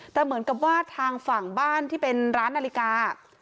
แต่เหมือนกับว่าทางฝั่งบ้านที่เป็นร้านนาฬิกา